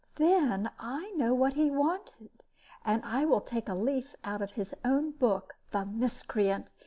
"Then I know what he wanted, and I will take a leaf out of his own book the miscreant!